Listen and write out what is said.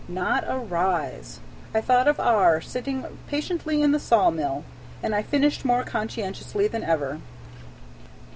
Not a rise! I thought of E. sitting patiently in the saw mill, and I fished more conscientiously than ever.